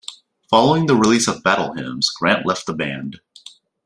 Following the release of "Battle Hymns" Grant left the band.